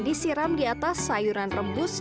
disiram di atas sayuran rebus